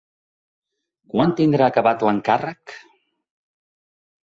Quan tindrà acabat l'encàrrec?